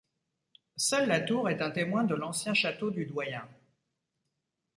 Seule la tour est un témoin de l'ancien château du doyen.